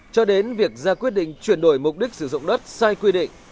cho đến việc ra quyết định chuyển đổi mục đích sử dụng đất sai quy định